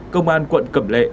công an quận cẩm lệ